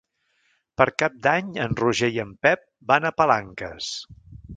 Per Cap d'Any en Roger i en Pep van a Palanques.